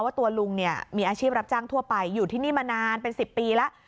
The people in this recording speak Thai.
ตัวลุงเนี่ยมีอาชีพรับจ้างทั่วไปอยู่ที่นี่มานานเป็น๑๐ปีแล้ว